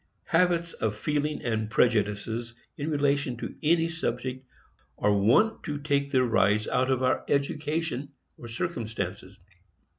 Habits of feeling and prejudices in relation to any subject are wont to take their rise out of our education or circumstances.